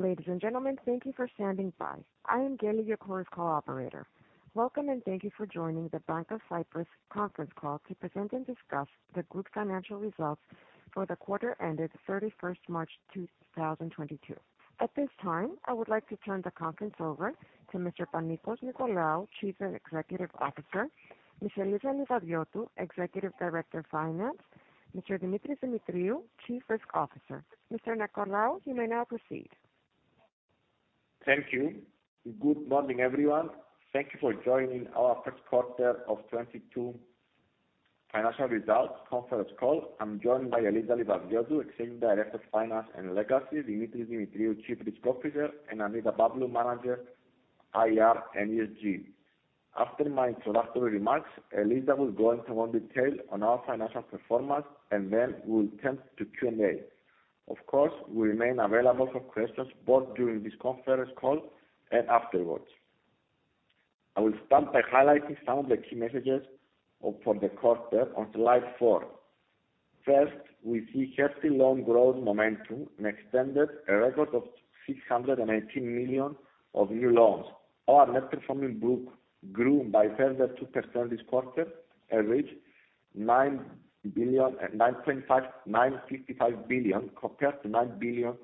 Ladies and gentlemen, thank you for standing by. I am Kelly, your chorus call operator. Welcome, and thank you for joining the Bank of Cyprus conference call to present and discuss the group's financial results for the quarter ended 31 March 2022. At this time, I would like to turn the conference over to Mr. Panicos Nicolaou, Chief Executive Officer, Ms. Eliza Livadiotou, Executive Director of Finance, Mr. Demetris Demetriou, Chief Risk Officer. Mr. Nicolaou, you may now proceed. Thank you. Good morning, everyone. Thank you for joining our first quarter of 2022 financial results conference call. I'm joined by Eliza Livadiotou, Executive Director of Finance and Legacy, Demetris Demetriou, Chief Risk Officer, and Annita Pavlou, Manager IR and ESG. After my introductory remarks, Eliza will go into more detail on our financial performance, and then we'll turn to Q&A. Of course, we remain available for questions both during this conference call and afterwards. I will start by highlighting some of the key messages for the quarter on slide 4. First, we see healthy loan growth momentum and extended a record of 618 million of new loans. Our non-performing group grew by further 2% this quarter and reached 9.5 billion compared to 9 billion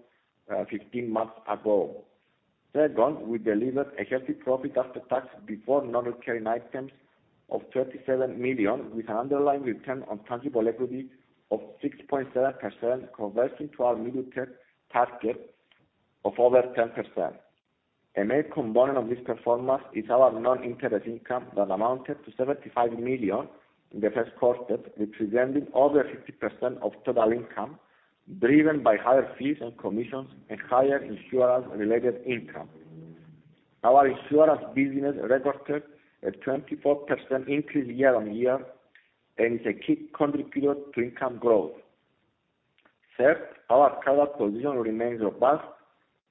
15 months ago. Second, we delivered a healthy profit after tax before non-recurring items of 37 million, with an underlying return on tangible equity of 6.7% converging to our mid-term target of over 10%. A main component of this performance is our non-interest income that amounted to 75 million in the first quarter, representing over 50% of total income, driven by higher fees and commissions and higher insurance-related income. Our insurance business recorded a 24% increase year-on-year and is a key contributor to income growth. Third, our capital position remains robust.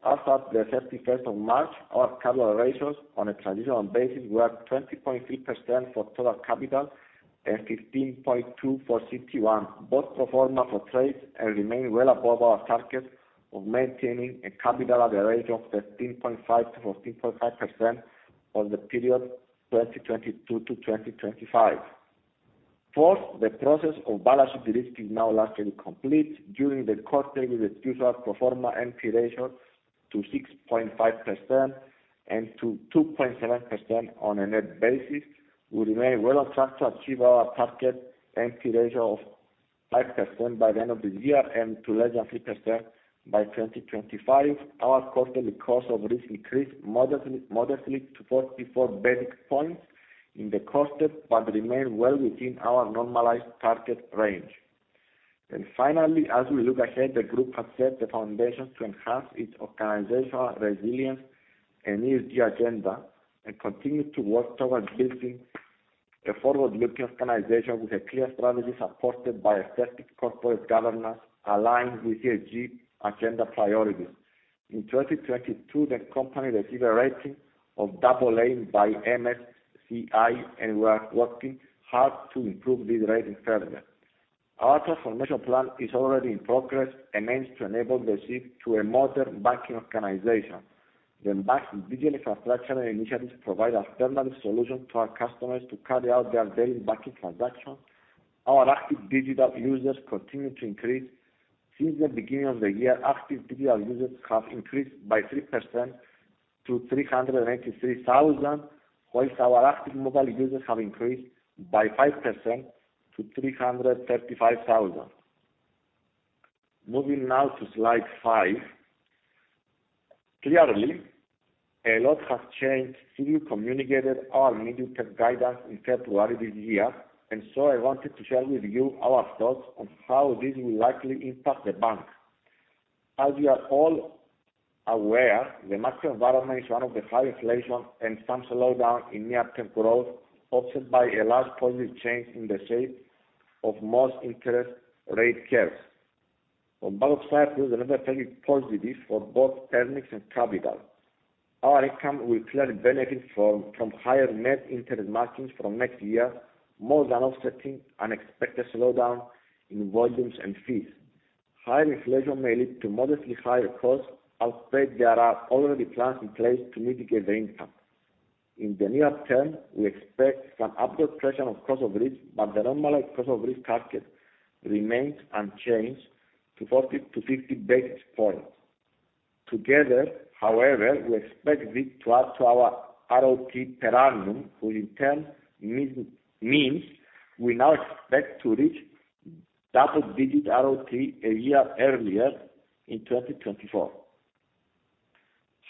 As at the 31st of March, our capital ratios on a transitional basis were 20.3% for total capital and 15.2% for CET1, both pro forma for trades, and remain well above our target of maintaining a capital ratio of 13.5%-14.5% for the period 2022-2025. Fourth, the process of balance sheet de-risking is now largely complete. During the quarter, we reduced our pro forma NPE ratio to 6.5% and to 2.7% on a net basis. We remain well on track to achieve our target NPE ratio of 5% by the end of the year and to less than 3% by 2025. Our quarterly cost of risk increased modestly to 44 basis points in the quarter but remained well within our normalized target range. Finally, as we look ahead, the group has set the foundation to enhance its organizational resilience and ESG agenda and continue to work towards building a forward-looking organization with a clear strategy supported by a strict corporate governance aligned with ESG agenda priorities. In 2022, the company received a rating of AA by MSCI, and we are working hard to improve this rating further. Our transformation plan is already in progress and aims to enable the shift to a modern banking organization. The bank's digital infrastructure initiatives provide alternative solutions to our customers to carry out their daily banking transactions. Our active digital users continue to increase. Since the beginning of the year, active digital users have increased by 3% to 383,000, while our active mobile users have increased by 5% to 335,000. Moving now to slide 5. Clearly, a lot has changed since we communicated our mid-term guidance in February this year, and so I wanted to share with you our thoughts on how this will likely impact the bank. As we are all aware, the macro environment is one of high inflation and some slowdown in near-term growth, offset by a large positive change in the shape of most interest rate curves. On both side, we are very positive for both earnings and capital. Our income will clearly benefit from higher net interest margins from next year more than offsetting unexpected slowdown in volumes and fees. Higher inflation may lead to modestly higher costs, although there are already plans in place to mitigate the impact. In the near term, we expect some upward pressure on cost of risk, but the normalized cost of risk target remains unchanged to 40-50 basis points. Together, however, we expect this to add to our ROTE per annum, which in turn means we now expect to reach double-digit ROTE a year earlier in 2024.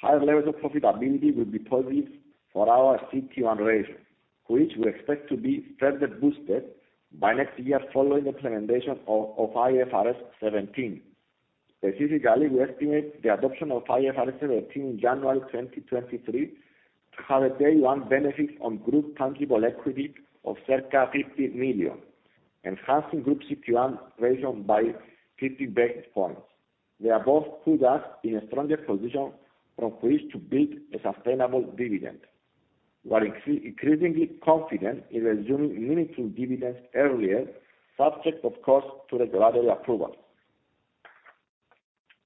Higher levels of profitability will be positive for our CET1 ratio, which we expect to be further boosted by next year following the implementation of IFRS 17. Specifically, we estimate the adoption of IFRS 17 in January 2023 to have a day one benefit on group tangible equity of circa 50 million, enhancing group CET1 ratio by 50 basis points. They have both put us in a stronger position from which to build a sustainable dividend. We are increasingly confident in resuming meaningful dividends earlier, subject of course, to regulatory approval.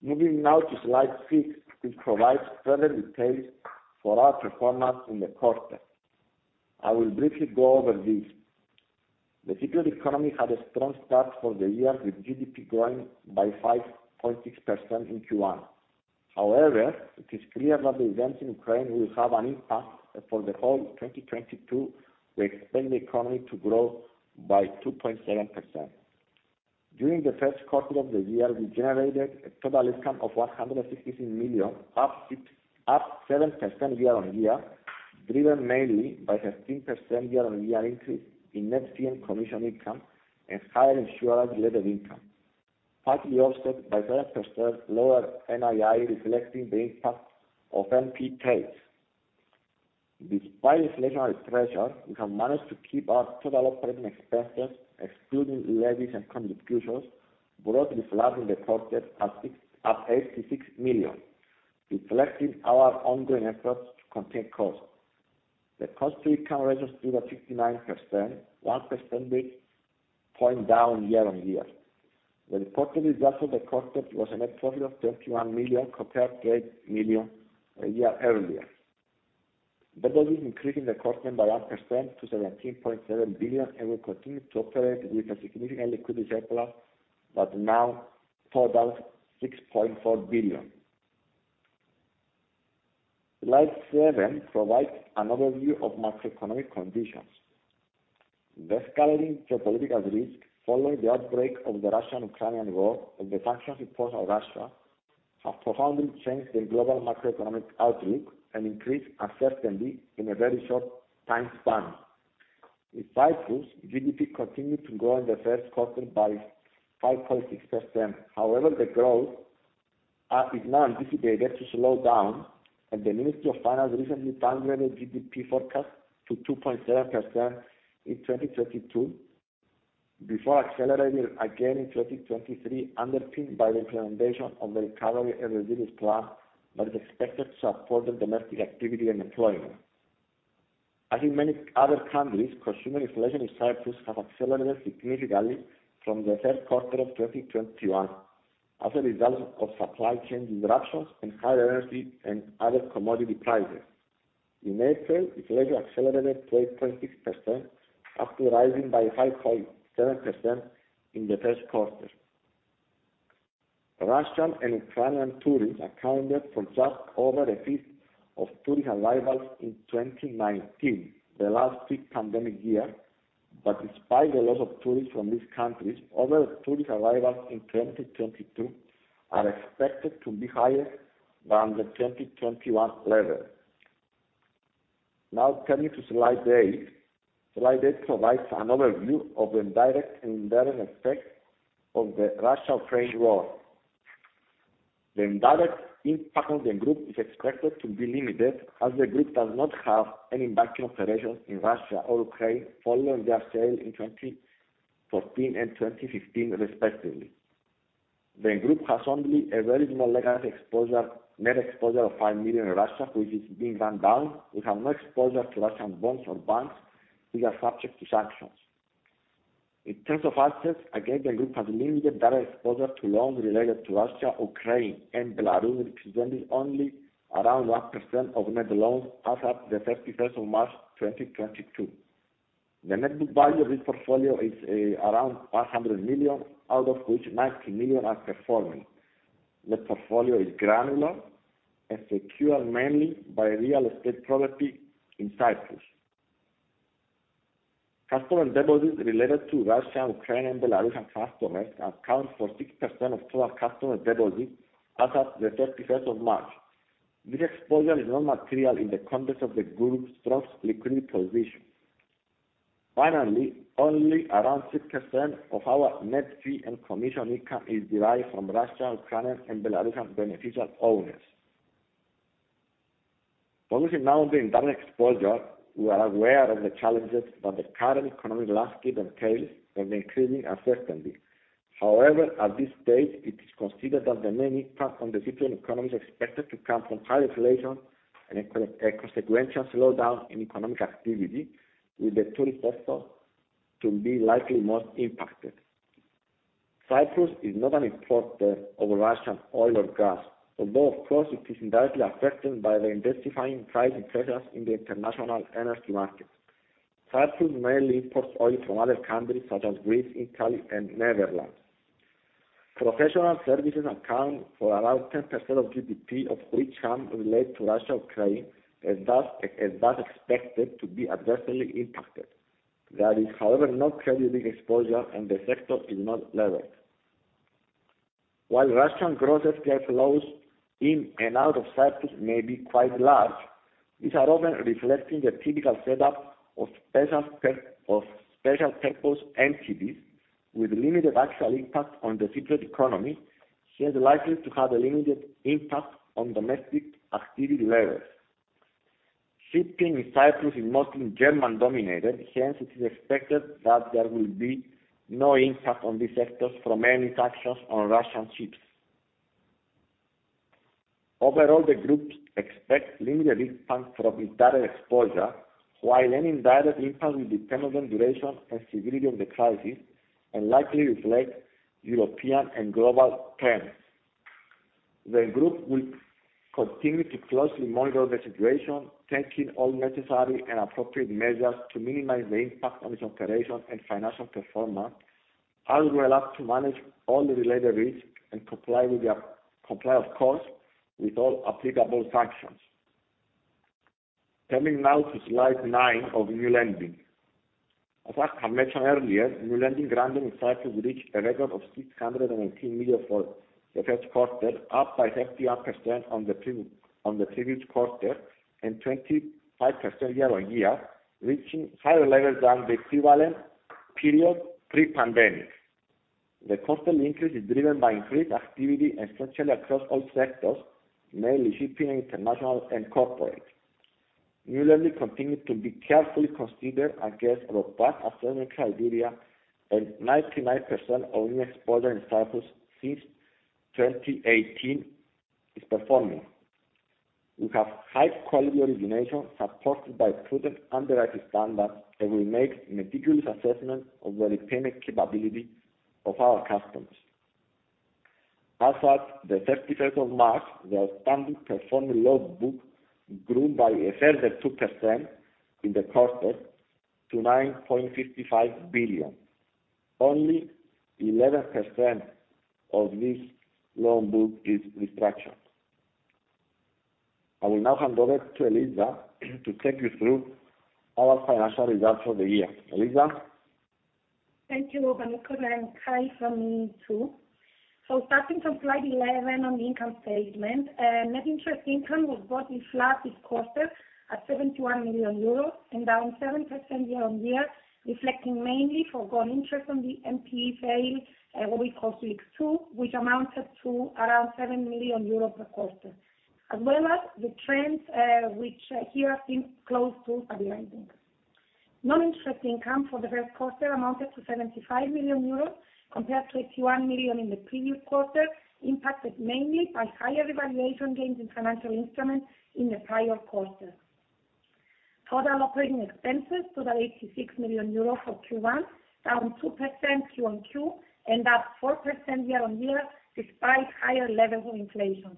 Moving now to slide 6, which provides further details for our performance in the quarter. I will briefly go over these. The Cypriot economy had a strong start for the year, with GDP growing by 5.6% in Q1. However, it is clear that the events in Ukraine will have an impact. For the whole 2022, we expect the economy to grow by 2.7%. During the first quarter of the year, we generated a total income of 166 million, up 7% year-on-year, driven mainly by 15% year-on-year increase in net fee and commission income and higher insurance-related income, partly offset by 12% lower NII, reflecting the impact of NPE sales. Despite inflationary pressures, we have managed to keep our total operating expenses, excluding levies and contributions, broadly flat in the quarter at 86 million, reflecting our ongoing efforts to contain costs. The cost-to-income ratio stood at 59%, 1 percentage point down year-on-year. The reported result for the quarter was a net profit of 21 million, compared to 8 million a year earlier. Deposits increased in the quarter by 1% to 17.7 billion, and we continue to operate with a significant liquidity surplus that now totals EUR 6.4 billion. Slide seven provides an overview of macroeconomic conditions. The escalating geopolitical risks following the outbreak of the Russian-Ukrainian war and the sanctions imposed on Russia have profoundly changed the global macroeconomic outlook and increased uncertainty in a very short time span. In Cyprus, GDP continued to grow in the first quarter by 5.6%. However, the growth is now anticipated to slow down, and the Ministry of Finance recently downgraded GDP forecast to 2.7% in 2022 before accelerating again in 2023, underpinned by the implementation of the recovery and resilience plan that is expected to support domestic activity and employment. As in many other countries, consumer inflation in Cyprus has accelerated significantly from the third quarter of 2021 as a result of supply chain disruptions and higher energy and other commodity prices. In April, inflation accelerated to 8.6% after rising by 5.7% in the first quarter. Russian and Ukrainian tourists accounted for just over a 5th of tourist arrivals in 2019, the last pre-pandemic year. Despite the loss of tourists from these countries, overall tourist arrivals in 2022 are expected to be higher than the 2021 level. Now turning to slide 8. Slide 8 provides an overview of the direct and indirect effects of the Russia-Ukraine war. The indirect impact on the group is expected to be limited, as the group does not have any banking operations in Russia or Ukraine following their sale in 2014 and 2015 respectively. The group has only a very small legacy exposure, net exposure of 5 million in Russia, which is being run down. We have no exposure to Russian bonds or banks which are subject to sanctions. In terms of assets, again, the group has limited direct exposure to loans related to Russia, Ukraine, and Belarus, representing only around 1% of net loans as at the 31st of March, 2022. The net book value of this portfolio is around 100 million, out of which 90 million are performing. The portfolio is granular and secured mainly by real estate property in Cyprus. Customer deposits related to Russia, Ukraine, and Belarusian customers account for 6% of total customer deposits as at the 31st of March. This exposure is not material in the context of the group's strong liquidity position. Finally, only around 6% of our net fee and commission income is derived from Russian, Ukrainian, and Belarusian beneficial owners. Focusing now on the internal exposure, we are aware of the challenges that the current economic landscape entails and the increasing uncertainty. However, at this stage, it is considered that the main impact on the Cypriot economy is expected to come from high inflation and a consequential slowdown in economic activity, with the tourist sector to be likely most impacted. Cyprus is not an importer of Russian oil or gas, although of course, it is indirectly affected by the intensifying pricing pressures in the international energy market. Cyprus mainly imports oil from other countries such as Greece, Italy, and Netherlands. Professional services account for around 10% of GDP, of which none relate to Russia or Ukraine, and thus expected to be adversely impacted. There is, however, no credit risk exposure, and the sector is not leveraged. While Russian gross FX flows in and out of Cyprus may be quite large, these are often reflecting the typical setup of special purpose entities with limited actual impact on the Cypriot economy, hence likely to have a limited impact on domestic activity levels. Shipping in Cyprus is mostly German-dominated. Hence, it is expected that there will be no impact on this sector from any sanctions on Russian ships. Overall, the groups expect limited impact from indirect exposure, while any indirect impact will depend on duration and severity of the crisis and likely reflect European and global trends. The group will continue to closely monitor the situation, taking all necessary and appropriate measures to minimize the impact on its operations and financial performance, as well as to manage all the related risks and comply, of course, with all applicable sanctions. Coming now to slide 9 of new lending. As I mentioned earlier, new lending granted in Cyprus reached a record of 618 million for the first quarter, up by 51% on the previous quarter and 25% year-over-year, reaching higher levels than the equivalent period pre-pandemic. The constant increase is driven by increased activity essentially across all sectors, mainly shipping, international, and corporate. New lending continued to be carefully considered against robust assessment criteria, and 99% of new exposure in Cyprus since 2018 is performing. We have high quality origination supported by prudent underwriting standards, and we make meticulous assessment of the repayment capability of our customers. As at the 31st of March, the outstanding performing loan book grew by a further 2% in the quarter to 9.55 billion. Only 11% of this loan book is restructured. I will now hand over to Eliza to take you through our financial results for the year. Eliza? Thank you, Panicos, and hi from me, too. Starting from slide 11 on the income statement, net interest income was broadly flat this quarter at 71 million euros and down 7% year-on-year, reflecting mainly forgone interest on the NPE sale, what we call Helix 2, which amounted to around 7 million euros per quarter, as well as the trends, which here have been close to stabilizing. Non-interest income for the first quarter amounted to 75 million euros compared to 81 million in the previous quarter, impacted mainly by higher revaluation gains in financial instruments in the prior quarter. Total operating expenses totaled 86 million euros for Q1, down 2% QoQ and up 4% year-on-year despite higher levels of inflation.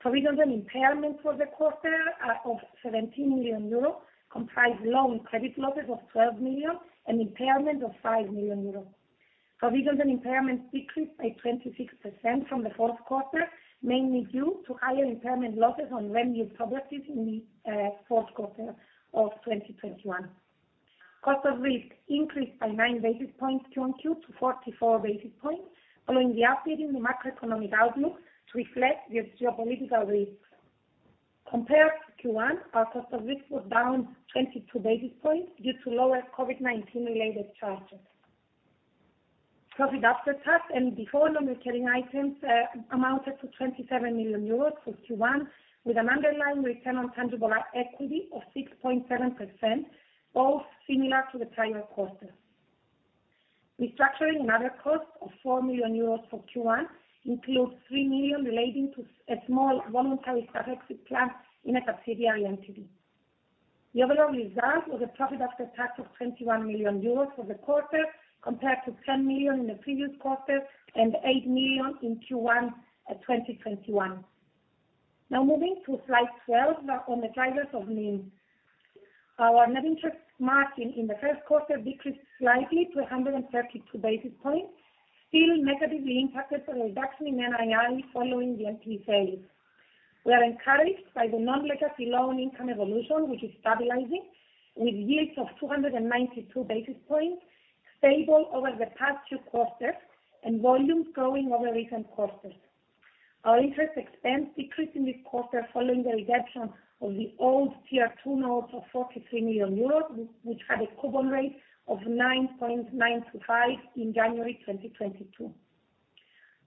Provisions and impairments for the quarter of 17 million euro comprise loan credit losses of 12 million and impairment of 5 million euro. Provisions and impairments decreased by 26% from the fourth quarter, mainly due to higher impairment losses on revenue objectives in the fourth quarter of 2021. Cost of risk increased by 9 basis points QoQ to 44 basis points following the updating the macroeconomic outlook to reflect the geopolitical risks. Compared to Q1, our cost of risk was down 22 basis points due to lower COVID-19 related charges. Profit after tax and before non-recurring items amounted to 27 million euros for Q1, with an underlying return on tangible equity of 6.7%, both similar to the prior quarter. Restructuring and other costs of 4 million euros for Q1 includes 3 million relating to a small voluntary staff exit plan in a subsidiary entity. The overall result was a profit after tax of 21 million euros for the quarter, compared to 10 million in the previous quarter and 8 million in Q1, 2021. Now moving to slide 12 on the drivers of NIM. Our net interest margin in the first quarter decreased slightly to 132 basis points, still negatively impacted by reduction in NII following the NPE sale. We are encouraged by the non-legacy loan income evolution, which is stabilizing, with yields of 292 basis points stable over the past two quarters and volumes growing over recent quarters. Our interest expense decreased in this quarter following the redemption of the old Tier 2 notes of 43 million euros, which had a coupon rate of 9.925% in January 2022.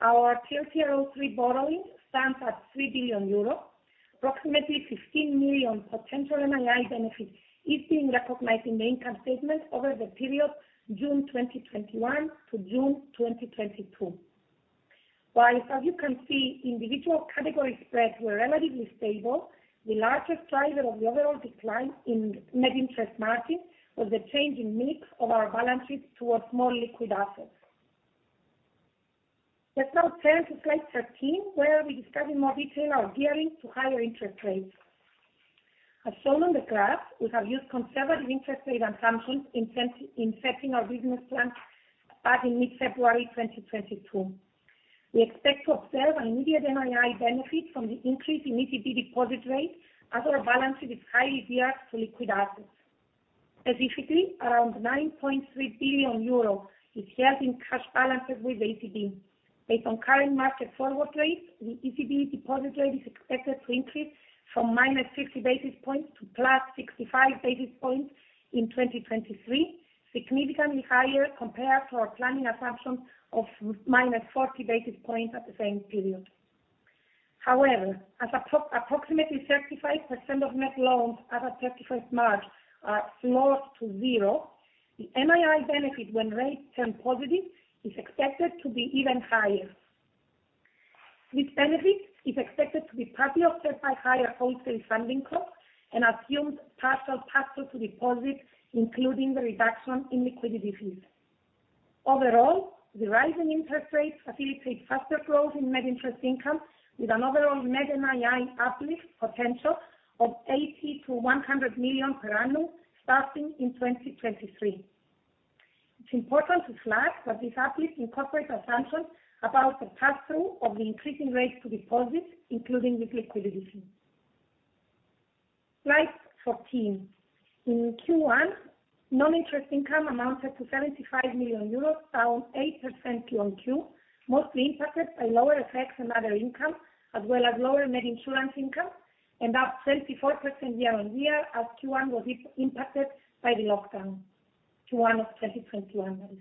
Our TLTRO III borrowing stands at 3 billion euros. Approximately 15 million potential NII benefit is being recognized in the income statement over the period June 2021 to June 2022. While as you can see, individual category spreads were relatively stable, the largest driver of the overall decline in net interest margin was the change in mix of our balance sheet towards more liquid assets. Let's now turn to slide 13, where we discuss in more detail our gearing to higher interest rates. As shown on the graph, we have used conservative interest rate assumptions in setting our business plan back in mid-February 2022. We expect to observe an immediate NII benefit from the increase in ECB deposit rate as our balance sheet is highly geared to liquid assets. Specifically, around 9.3 billion euro is held in cash balances with ECB. Based on current market forward rates, the ECB deposit rate is expected to increase from -60 basis points to +65 basis points in 2023, significantly higher compared to our planning assumption of -40 basis points at the same period. However, as approximately 35% of net loans as at 31 March are floored to zero, the NII benefit when rates turn positive is expected to be even higher. This benefit is expected to be partly offset by higher wholesale funding costs and assumed partial pass-through to deposits, including the reduction in liquidity fees. Overall, the rising interest rates facilitate faster growth in net interest income with an overall net NII uplift potential of 80-100 million per annum starting in 2023. It's important to flag that this uplift incorporates assumptions about the pass-through of the increasing rates to deposits, including the liquidity fees. Slide 14. In Q1, non-interest income amounted to 75 million euros, down 8% QoQ, mostly impacted by lower fees and other income, as well as lower net insurance income, and up 24% year-on-year as Q1 was impacted by the lockdown, Q1 of 2021.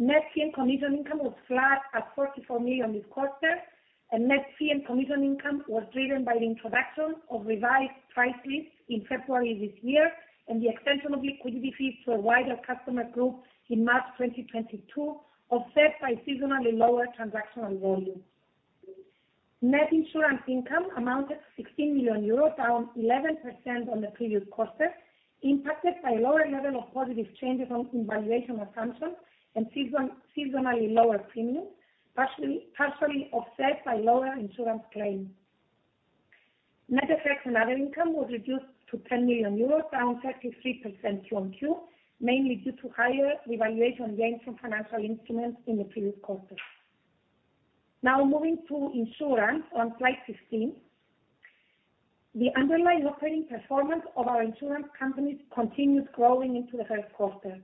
Net fee and commission income was flat at 44 million this quarter, and net fee and commission income was driven by the introduction of revised price lists in February this year and the extension of liquidity fees to a wider customer group in March 2022, offset by seasonally lower transactional volumes. Net insurance income amounted 16 million euros, down 11% on the previous quarter, impacted by lower level of positive changes on valuation assumptions and seasonally lower premiums, partially offset by lower insurance claims. Net fees and other income was reduced to 10 million euros, down 33% QoQ, mainly due to higher revaluation gains from financial instruments in the previous quarter. Now moving to insurance on slide 15. The underlying operating performance of our insurance companies continued growing into the first quarter.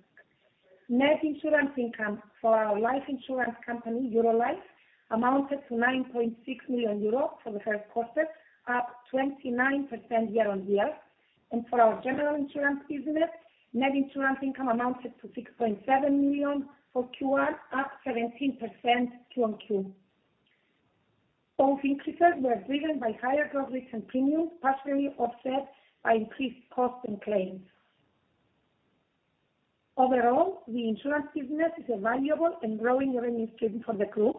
Net insurance income for our life insurance company, Eurolife, amounted to 9.6 million euros for the first quarter, up 29% year-over-year. For our general insurance business, net insurance income amounted to 6.7 million for Q1, up 17% QoQ. Both increases were driven by higher gross written premiums, partially offset by increased costs and claims. Overall, the insurance business is a valuable and growing revenue stream for the group,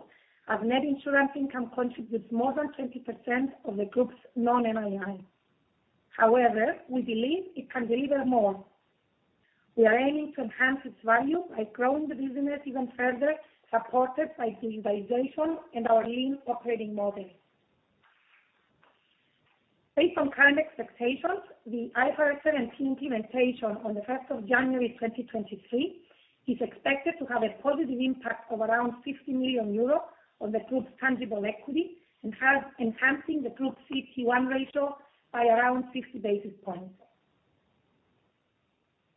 as net insurance income contributes more than 20% of the group's non-NII. However, we believe it can deliver more. We are aiming to enhance its value by growing the business even further, supported by digitization and our lean operating model. Based on current expectations, the IFRS 17 implementation on January 1, 2023 is expected to have a positive impact of around 50 million euros on the group's tangible equity, enhancing the group CET1 ratio by around 50 basis points.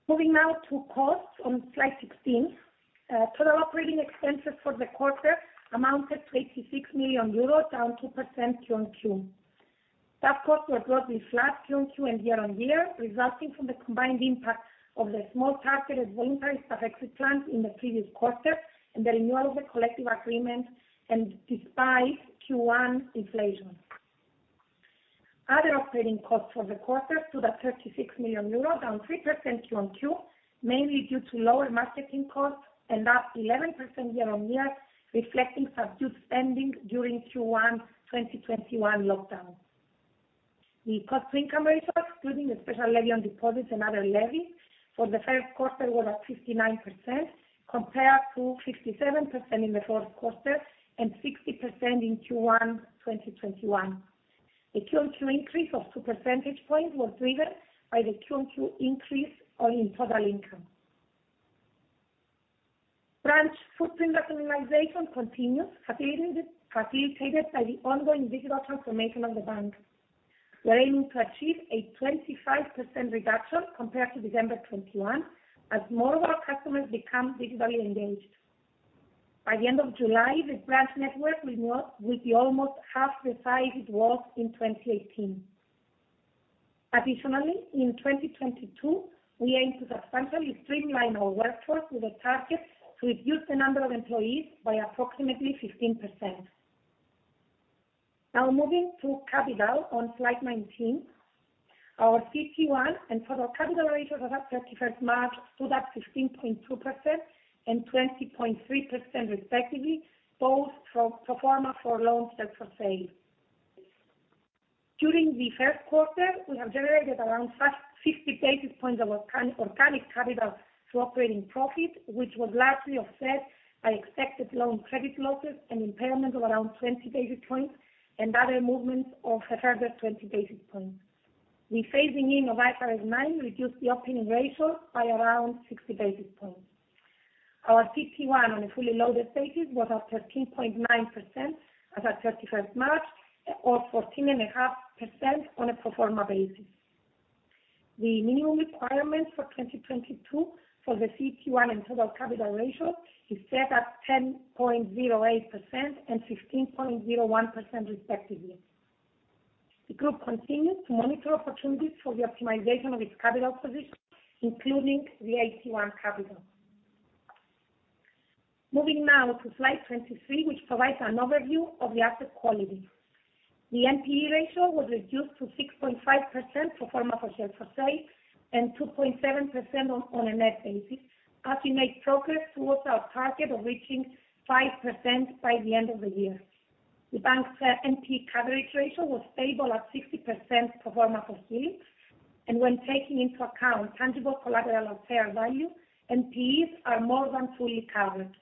Moving now to costs on slide 16. Total operating expenses for the quarter amounted to 86 million euros, down 2% QoQ. Staff costs were broadly flat QoQ and year-on-year, resulting from the combined impact of the small targeted voluntary staff exit plan in the previous quarter and the renewal of the collective agreement, and despite Q1 deflation. Other operating costs for the quarter stood at 36 million euros, down 3% QoQ, mainly due to lower marketing costs and up 11% year-on-year, reflecting subdued spending during Q1 2021 lockdown. The cost-to-income ratio, excluding the special levy on deposits and other levies for the first quarter, were at 59%, compared to 57% in the fourth quarter and 60% in Q1 2021. The QoQ increase of 2 percentage points was driven by the QoQ increase in total income. Branch footprint rationalization continues, facilitated by the ongoing digital transformation of the bank. We are aiming to achieve a 25% reduction compared to December 2021, as more of our customers become digitally engaged. By the end of July, the branch network will be almost half the size it was in 2018. Additionally, in 2022, we aim to substantially streamline our workforce with a target to reduce the number of employees by approximately 15%. Now moving to capital on slide 19. Our CET1 and total capital ratios as at 31 March stood at 15.2% and 20.3% respectively, both pro forma for loans held for sale. During the first quarter, we have generated around 50 basis points of organic capital through operating profit, which was largely offset by expected loan credit losses and impairment of around 20 basis points and other movements of a further 20 basis points. The phasing in of IFRS 9 reduced the opening ratio by around 60 basis points. Our CET1 on a fully loaded basis was at 13.9% as at 31 March or 14.5% on a pro forma basis. The minimum requirements for 2022 for the CET1 and total capital ratio is set at 10.08% and 15.01% respectively. The group continues to monitor opportunities for the optimization of its capital position, including the AT1 capital. Moving now to slide 23, which provides an overview of the asset quality. The NPE ratio was reduced to 6.5% pro forma for the sale, and 2.7% on a net basis, as we make progress towards our target of reaching 5% by the end of the year. The bank's NPE coverage ratio was stable at 60% pro forma for the sale. When taking into account tangible collateral at fair value, NPEs are more than fully covered.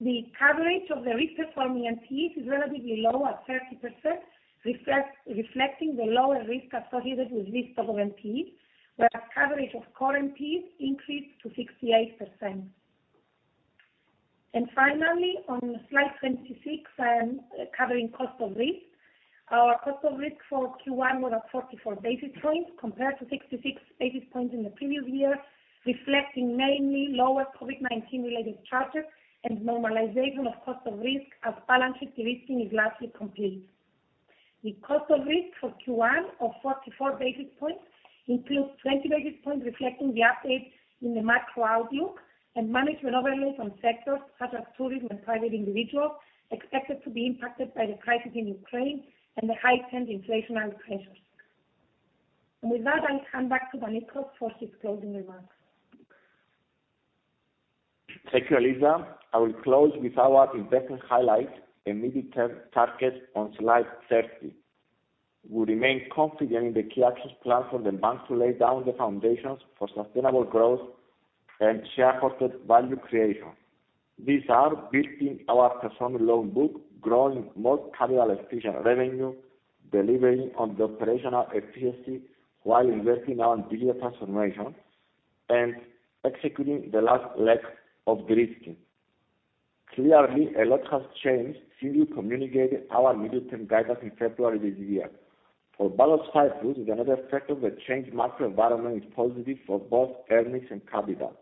The coverage of the re-performing NPEs is relatively low at 30%, reflecting the lower risk associated with re-performing NPEs, whereas coverage of current NPEs increased to 68%. Finally, on slide 26, covering cost of risk. Our cost of risk for Q1 was at 44 basis points compared to 66 basis points in the previous year, reflecting mainly lower COVID-19 related charges and normalization of cost of risk as balance sheet de-risking is largely complete. The cost of risk for Q1 of 44 basis points includes 20 basis points reflecting the updates in the macro outlook and management overlays on sectors such as tourism and private individuals expected to be impacted by the crisis in Ukraine and the heightened inflationary pressures. With that, I'll hand back to Panicos for his closing remarks. Thank you, Eliza. I will close with our investment highlights and medium-term targets on slide 30. We remain confident in the key actions planned for the bank to lay down the foundations for sustainable growth and shareholder value creation. These are building our personal loan book, growing more capital-efficient revenue, delivering on the operational efficiency while investing on digital transformation, and executing the last leg of de-risking. Clearly, a lot has changed since we communicated our medium-term guidance in February this year. For Bank of Cyprus, the net effect of a changed market environment is positive for both earnings and capital.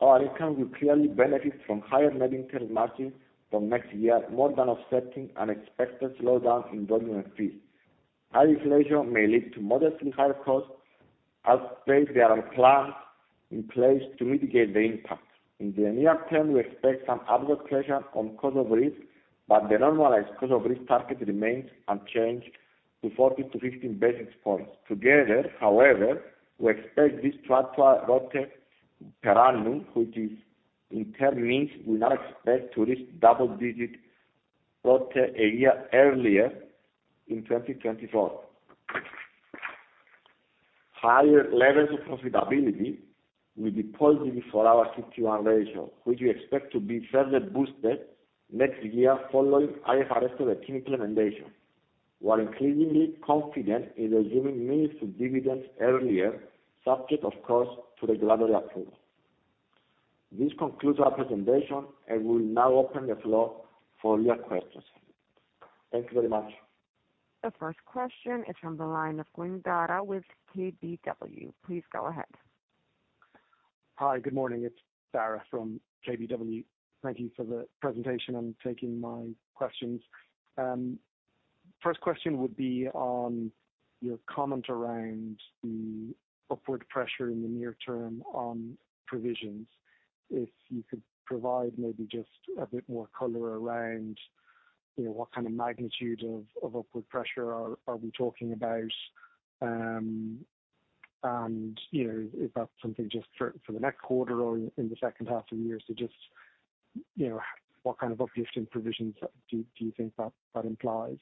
Our income will clearly benefit from higher net interest margins from next year, more than offsetting an expected slowdown in volume and fees. High inflation may lead to modestly higher costs, as there are plans in place to mitigate the impact. In the near term, we expect some upward pressure on cost of risk, but the normalized cost of risk target remains unchanged to 40-50 basis points. Together, however, we expect this to plateau ROTE per annum, which in turn means we now expect to reach double-digit ROTE a year earlier in 2024. Higher levels of profitability will be positive for our CET1 ratio, which we expect to be further boosted next year following IFRS 17 implementation. We're increasingly confident in resuming meaningful dividends earlier, subject of course, to regulatory approval. This concludes our presentation, and we'll now open the floor for your questions. Thank you very much. The first question is from the line of Quinn Daragh with KBW. Please go ahead. Hi. Good morning. It's Daragh from KBW. Thank you for the presentation and taking my questions. First question would be on your comment around the upward pressure in the near term on provisions. If you could provide maybe just a bit more color around, you know, what kind of magnitude of upward pressure are we talking about? You know, is that something just for the next quarter or in the second half of the year? Just, you know, what kind of uplift in provisions do you think that implies?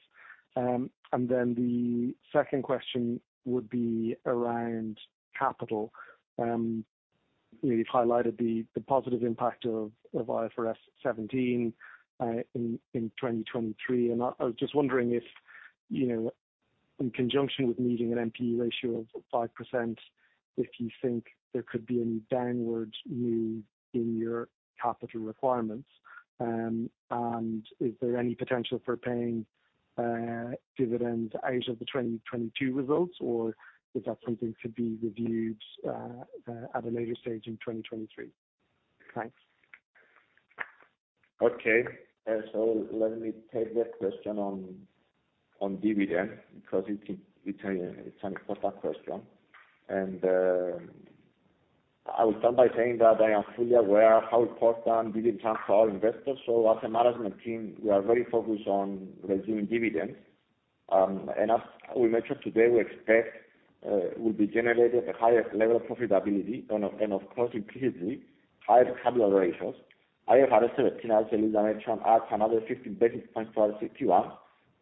Then the second question would be around capital. You know, you've highlighted the positive impact of IFRS 17 in 2023. I was just wondering if, you know, in conjunction with meeting an NPE ratio of 5%, if you think there could be any downwards move in your capital requirements? Is there any potential for paying dividends out of the 2022 results, or is that something to be reviewed at a later stage in 2023? Thanks. Okay. Let me take that question on dividend because it's an important question. I will start by saying that I am fully aware how important dividend is for our investors. As a management team, we are very focused on resuming dividends. As we mentioned today, we expect we'll be generating a higher level of profitability and of course increasingly higher capital ratios. IFRS 17, as Eliza mentioned, adds another 50 basis points to our CET1.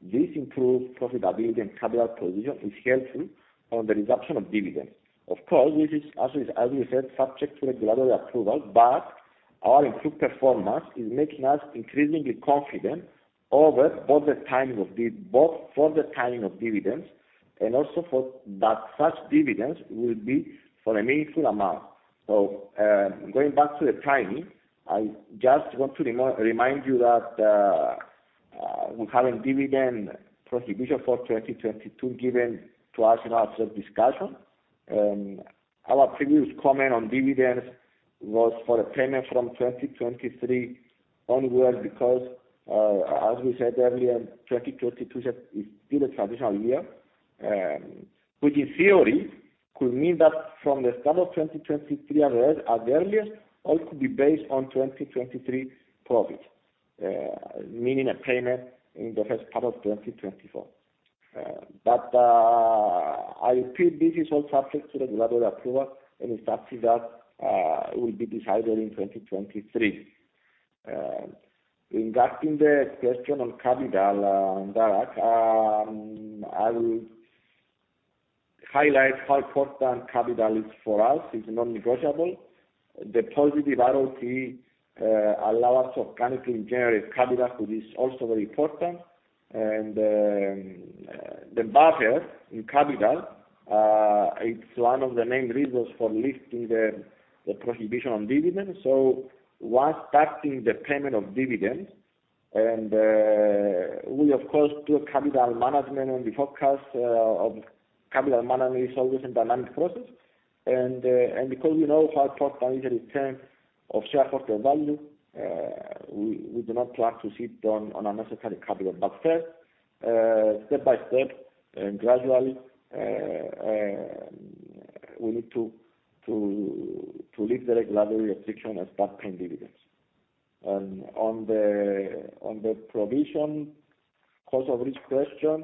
This improved profitability and capital position is helpful on the resumption of dividends. Of course, this is, as we said, subject to regulatory approval, but our improved performance is making us increasingly confident over both for the timing of dividends and also for that such dividends will be for a meaningful amount. Going back to the timing, I just want to remind you that we have a dividend prohibition for 2022 given to us in our SREP discussion. Our previous comment on dividends was for a payment from 2023 onward because as we said earlier, 2022 is still a transitional year, which in theory could mean that from the start of 2023 at the earliest, all could be based on 2023 profit, meaning a payment in the first part of 2024. I repeat, this is all subject to regulatory approval, and it's actually that will be decided in 2023. Regarding the question on capital, Daragh, I will highlight how important capital is for us. It's non-negotiable. The positive ROTE allow us organically generate capital, which is also very important. The buffer in capital, it's one of the main reasons for lifting the prohibition on dividends. Once starting the payment of dividends, we of course do a capital management on the forecast of capital management is always a dynamic process. Because we know how important is the return of shareholder value, we do not plan to sit on unnecessary capital buffers. Step by step and gradually, we need to lift the regulatory restriction and start paying dividends. On the provision cost of risk question,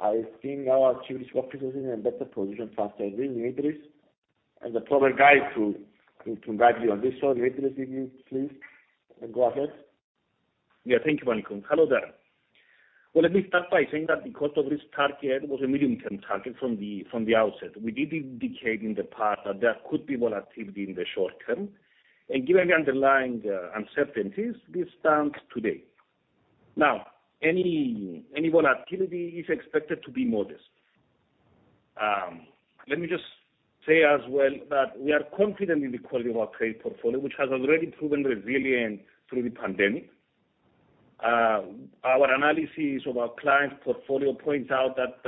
I think our Chief Risk Officer is in a better position to answer this, Demetris as the proper guy to guide you on this one. Demetris, if you please, go ahead. Yeah, thank you, Panicos. Hello there. Well, let me start by saying that the cost of risk target was a medium-term target from the outset. We did indicate in the past that there could be volatility in the short term, and given the underlying uncertainties, this stands today. Now, any volatility is expected to be modest. Let me just say as well that we are confident in the quality of our credit portfolio, which has already proven resilient through the pandemic. Our analysis of our client portfolio points out that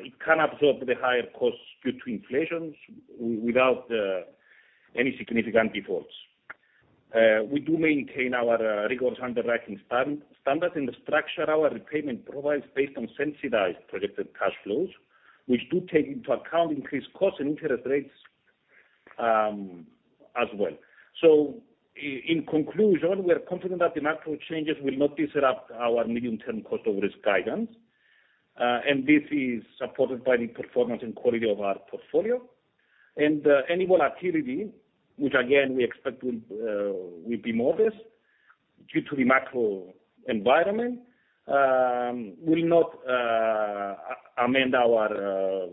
it can absorb the higher costs due to inflations without any significant defaults. We do maintain our rigorous underwriting standards and the structure our repayment provides based on sensitized projected cash flows, which do take into account increased costs and interest rates, as well. In conclusion, we are confident that the macro changes will not disrupt our medium-term cost of risk guidance. This is supported by the performance and quality of our portfolio. Any volatility, which again we expect will be modest due to the macro environment, will not amend our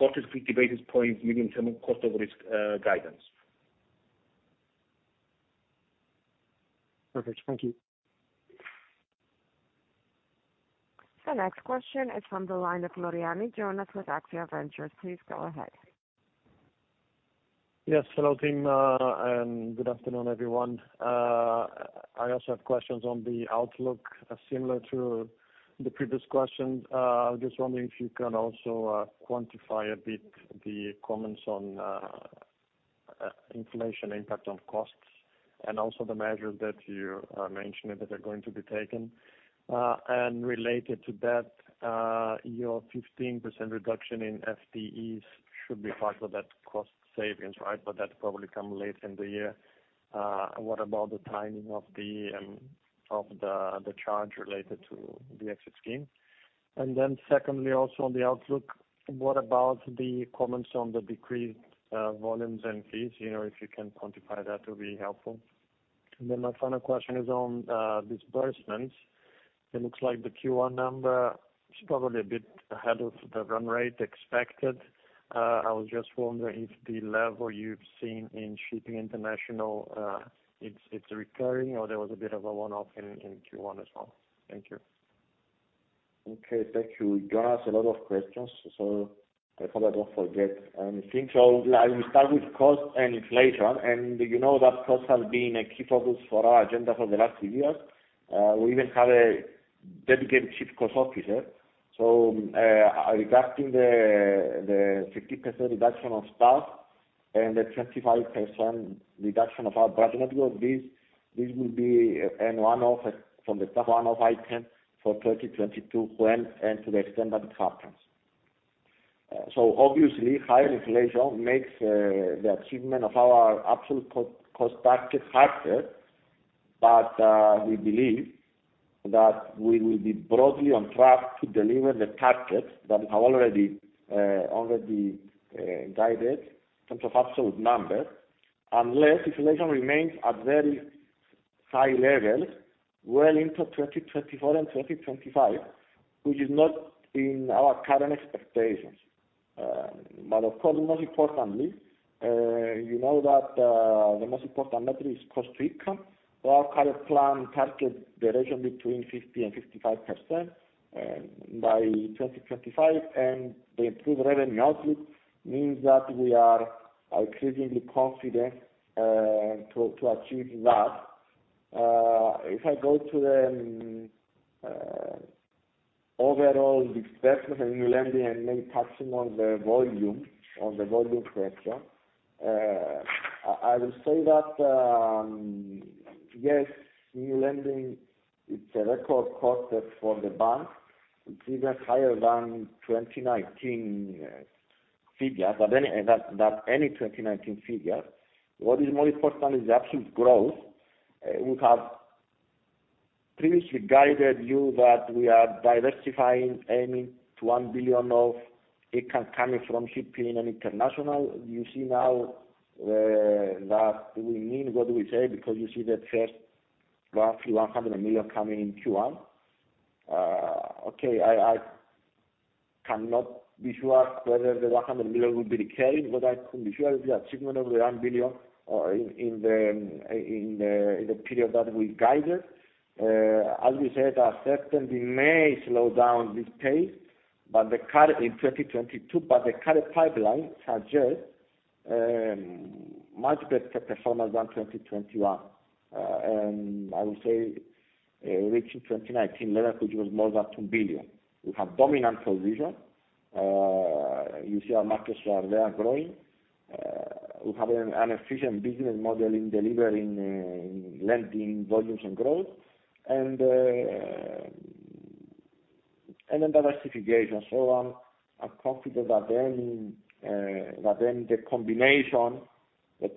40-50 basis points medium-term cost of risk guidance. Perfect. Thank you. The next question is from the line of Floriani Jonas with AXIA Ventures. Please go ahead. Yes. Hello, team, and good afternoon, everyone. I also have questions on the outlook, similar to the previous questions. Just wondering if you can also quantify a bit the comments on inflation impact on costs and also the measures that you mentioned that are going to be taken. And related to that, your 15% reduction in FTEs should be part of that cost savings, right? But that probably come late in the year. What about the timing of the charge related to the exit scheme? And then secondly, also on the outlook, what about the comments on the decreased volumes and fees? You know, if you can quantify that, will be helpful. And then my final question is on disbursements. It looks like the Q1 number is probably a bit ahead of the run rate expected. I was just wondering if the level you've seen in shipping international, it's recurring, or there was a bit of a one-off in Q1 as well. Thank you. Okay. Thank you. You asked a lot of questions, so I hope I don't forget anything. I will start with cost and inflation. You know that cost has been a key focus for our agenda for the last few years. We even have a dedicated Chief Cost Officer. Regarding the 50% reduction of staff and the 25% reduction of our budget, this will be a one-off from the staff, one-off item for 2022 when and to the extent that it happens. Obviously higher inflation makes the achievement of our absolute cost target harder. We believe that we will be broadly on track to deliver the targets that we have already guided in terms of absolute numbers, unless inflation remains at very high levels well into 2024 and 2025, which is not in our current expectations. Of course, most importantly, you know that the most important metric is cost to income. Our current plan targets the region between 50% and 55% by 2025. And the improved revenue outlook means that we are increasingly confident to achieve that. If I go to overall disbursement and new lending and maybe touching on the volume pressure. I will say that, yes, new lending it's a record quarter for the bank. It's even higher than 2019 figure, but any 2019 figure. What is more important is the absolute growth. We have previously guided you that we are diversifying, aiming to 1 billion of income coming from shipping and international. You see now that we mean what we say because you see the first roughly 100 million coming in Q1. Okay, I cannot be sure whether the 100 million will be recurring, but I can be sure of the achievement of the 1 billion in the period that we guided. As we said, our certainty may slow down this pace, but the current in 2022, but the current pipeline suggest much better performance than 2021. I would say reaching 2019 level, which was more than 2 billion. We have dominant position. You see our markets where they are growing. We have an efficient business model in delivering lending volumes and growth and then diversification. I'm confident that the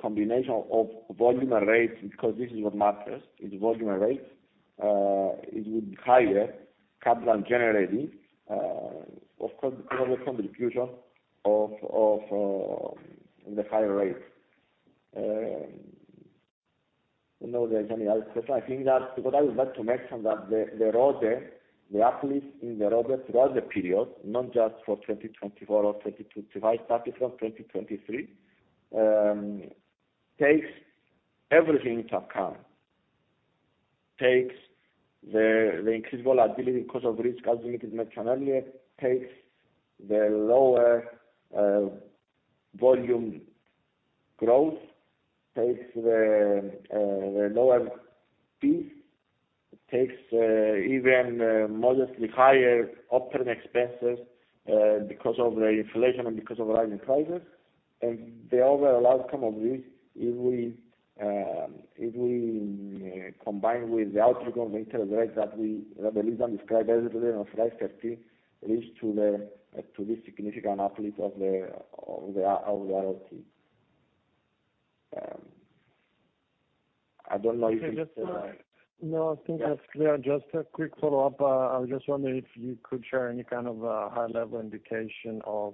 combination of volume and rates, because this is what matters, is volume and rates. It would be higher capital generation, of course, because of contribution of the higher rates. I don't know if there's any other question. I think that what I would like to mention that the ROE, the uplift in the ROE throughout the period, not just for 2024 or 2022. If I start it from 2023, takes everything into account. Takes the increased volatility cost of risk as we mentioned earlier, takes the lower volume growth, takes the lower fees, takes even modestly higher operating expenses because of the inflation and because of rising prices. The overall outcome of this, if we combine with the outcome of interest rates that Eliza described earlier today, a rise of 50 leads to the significant uplift of the ROTE. I don't know if you said that. No, I think that's clear. Just a quick follow-up. I was just wondering if you could share any kind of, high level indication of,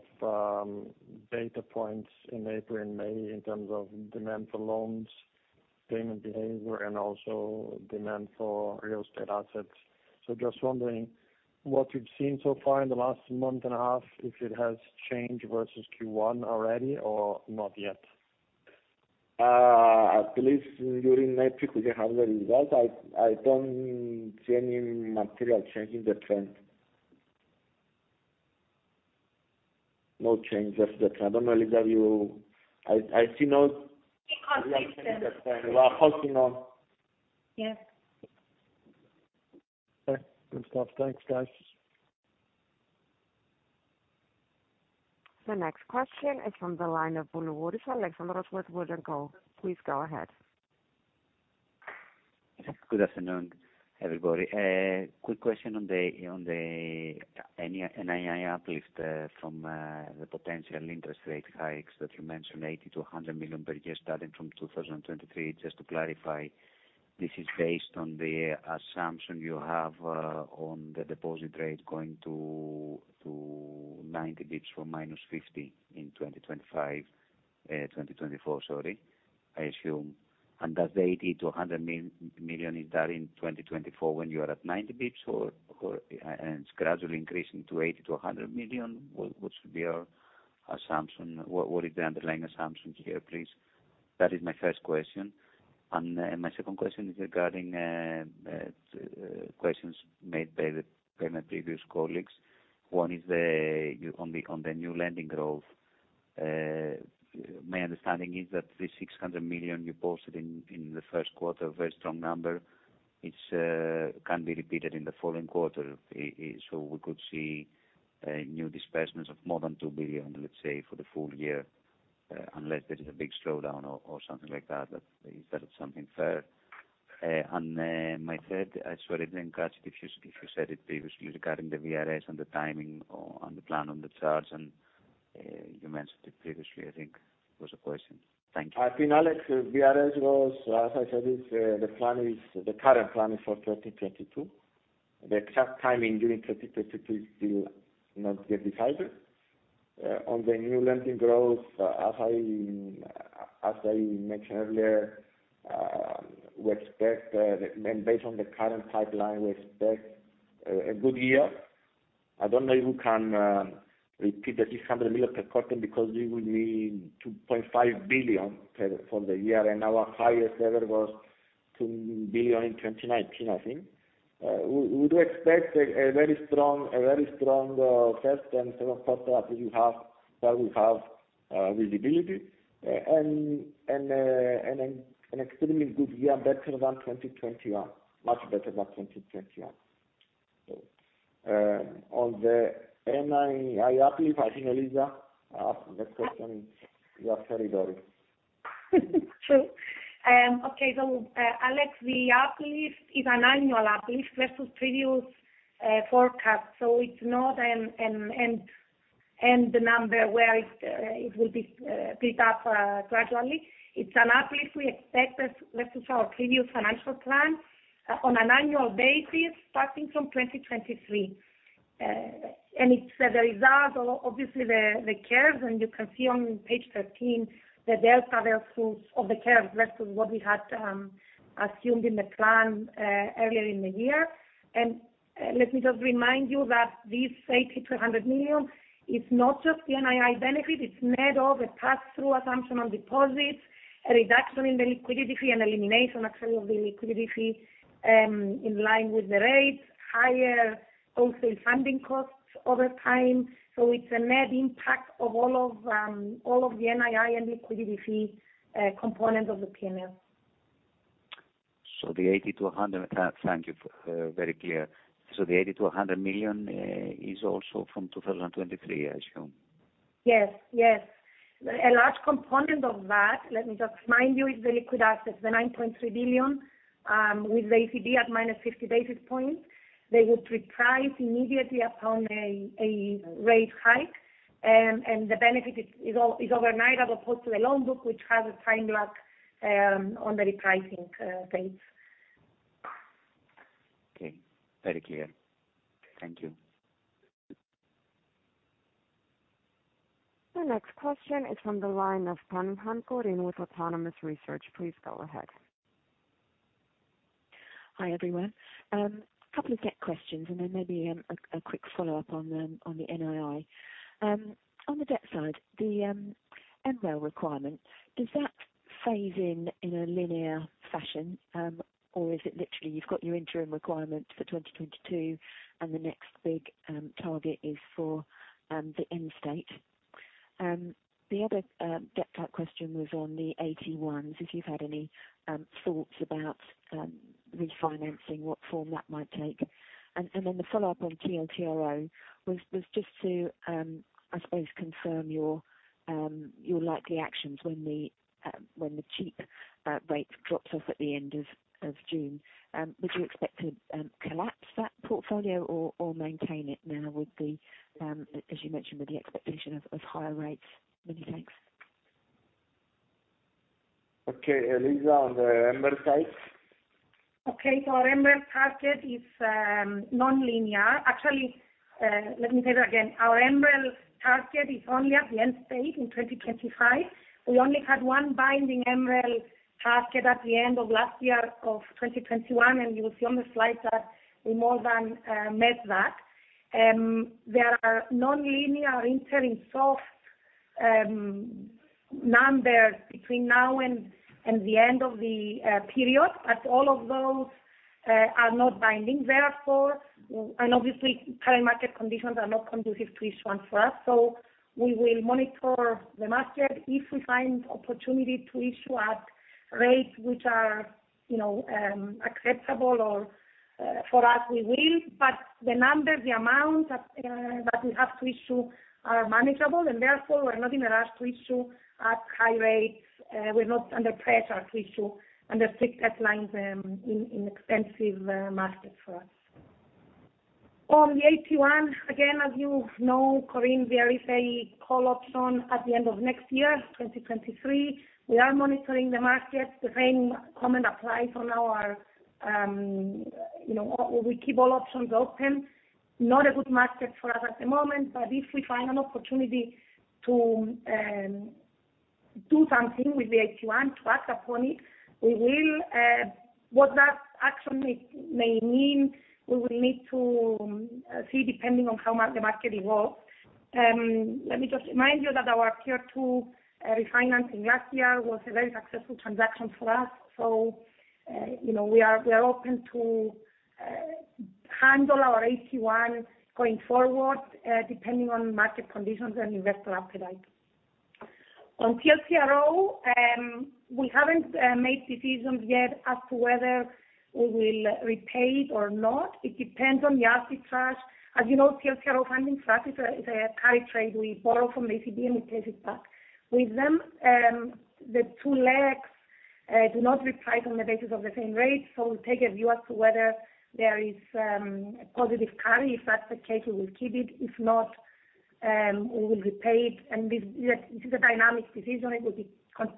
data points in April and May in terms of demand for loans, payment behavior, and also demand for real estate assets. So just wondering what you've seen so far in the last month and a half, if it has changed versus Q1 already or not yet? I believe during next week we have the results. I don't see any material change in the trend. I don't know, Eliza, she knows... Okay, good stuff. Thanks, guys. The next question is from the line of Alexandros Boulougouris, Wood & Co. Please go ahead. Good afternoon, everybody. Quick question on the NII uplift from the potential interest rate hikes that you mentioned, 80 million-100 million per year starting from 2023. Just to clarify, this is based on the assumption you have on the deposit rate going to 90 basis points from -50 in 2024, sorry, I assume. That 80 million-100 million, is that in 2024 when you are at 90 basis points or and it's gradually increasing to 80 million-100 million? What should be our assumption? What is the underlying assumption here, please? That is my first question. My second question is regarding questions made by my previous colleagues. One is on the new lending growth. My understanding is that the 600 million you posted in the first quarter, very strong number. It's can be repeated in the following quarter. So we could see new disbursements of more than 2 billion, let's say, for the full year, unless there is a big slowdown or something like that is something fair? And then my third, sorry, I didn't catch it if you said it previously regarding the VRS and the timing or the plan on the charge. You mentioned it previously, I think was the question. Thank you. I think, Alex, VRS is, as I said, the current plan is for 2022. The exact timing during 2022 is still not yet decided. On the new lending growth, as I mentioned earlier, we expect, and based on the current pipeline, we expect a good year. I don't know if we can repeat the 600 million per quarter because we will need 2.5 billion per for the year, and our highest ever was 2 billion in 2019, I think. We do expect a very strong first and second quarter as we have visibility, and an extremely good year, better than 2021. Much better than 2021. On the NII uplift, I think Eliza, that question is your territory. Okay. Alex, the uplift is an annual uplift versus previous forecast. It's not an end number where it will be picked up gradually. It's an uplift we expect as versus our previous financial plan on an annual basis starting from 2023. It's the result of obviously the curves, and you can see on page 13 the delta therefore of the curves versus what we had assumed in the plan earlier in the year. Let me just remind you that this 80 million-100 million is not just the NII benefit. It's net of a pass-through assumption on deposits, a reduction in the liquidity fee, and elimination actually of the liquidity fee in line with the rates, higher wholesale funding costs over time. It's a net impact of all of the NII and liquidity fee component of the P&L. The 80-100 million is also from 2023, I assume. Yes. A large component of that, let me just remind you, is the liquid assets, the 9.3 billion, with the ECB at minus 50 basis points. They would reprice immediately upon a rate hike. The benefit is overnight as opposed to the loan book, which has a time lag on the repricing dates. Okay. Very clear. Thank you. The next question is from the line of Cunningham Corinne with Autonomous Research. Please go ahead. Hi, everyone. Couple of debt questions and then maybe a quick follow-up on the NII. On the debt side, the MREL requirement, does that phase in in a linear fashion? Or is it literally you've got your interim requirement for 2022 and the next big target is for the end state? The other debt type question was on the AT1s, if you've had any thoughts about refinancing, what form that might take. Then the follow-up on TLTRO was just to I suppose confirm your likely actions when the cheap rate drops off at the end of June. Would you expect to collapse that portfolio or maintain it now with the, as you mentioned, with the expectation of higher rates? Many thanks. Okay. Eliza, on the MREL side. Okay. Our MREL target is non-linear. Actually, let me say that again. Our MREL target is only at the end state in 2025. We only had one binding MREL target at the end of last year of 2021, and you will see on the slides that we more than met that. There are non-linear interim soft numbers between now and the end of the period, but all of those are not binding therefore. Obviously current market conditions are not conducive to issuance for us, so we will monitor the market. If we find opportunity to issue at rates which are, you know, acceptable or for us, we will. The numbers, the amounts that we have to issue are manageable, and therefore we're not in a rush to issue at high rates. We're not under pressure to issue under strict deadlines in inexpensive markets for us. On the AT1, again, as you know, Corinne, there is a call option at the end of next year, 2023. We are monitoring the markets. The same comment applies on our, you know, we keep all options open. Not a good market for us at the moment, but if we find an opportunity to do something with the AT1, to act upon it, we will. What that action may mean, we will need to see depending on how the market evolves. Let me just remind you that our Tier 2 refinancing last year was a very successful transaction for us. You know, we are open to handle our AT1 going forward, depending on market conditions and investor appetite. On TLTRO, we haven't made decisions yet as to whether we will repay it or not. It depends on the arbitrage. As you know, TLTRO funding for us is a carry trade. We borrow from ECB, and we pay it back. With them, the two legs do not reprice on the basis of the same rate. So we'll take a view as to whether there is a positive carry. If that's the case, we will keep it. If not, we will repay it. This is a dynamic decision. It will be,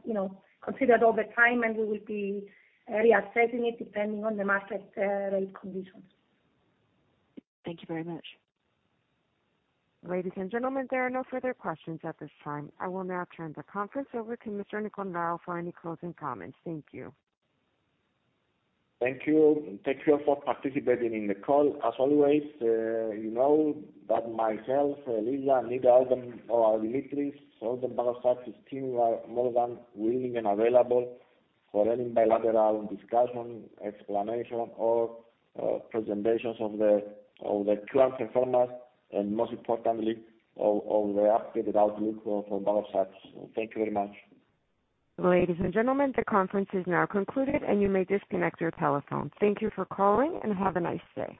you know, considered over time, and we will be reassessing it depending on the market rate conditions. Thank you very much. Ladies and gentlemen, there are no further questions at this time. I will now turn the conference over to Mr. Panicos Nicolaou for any closing comments. Thank you. Thank you. Thank you all for participating in the call. As always, you know that myself, Eliza, Annita, and Demetris, all the Bank of Cyprus team are more than willing and available for any bilateral discussion, explanation, or presentations of the current performance, and most importantly of the updated outlook for Bank of Cyprus. Thank you very much. Ladies and gentlemen, the conference is now concluded, and you may disconnect your telephones. Thank you for calling, and have a nice day.